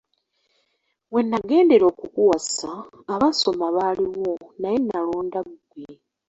We nagendera okukuwasa abaasoma baaliwo, naye nalonda ggwe.